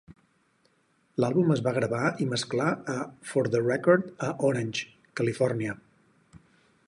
L'àlbum es va gravar i mesclar a "For the Record" a Orange, Califòrnia.